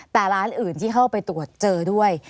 แต่ร้านอื่นที่เข้าไปตรวจเจอด้วย